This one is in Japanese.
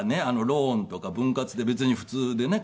ローンとか分割って別に普通でね